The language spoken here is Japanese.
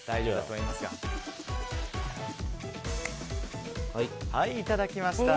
いただきました。